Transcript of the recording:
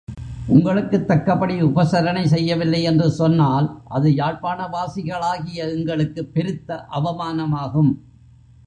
உங்களுக்குத் தக்கபடி உபசரணை செய்யவில்லையென்று சொன்னால், அது யாழ்ப்பாணவாசிகளாகிய எங்களுக்குப் பெருத்த அவமானமாகும்.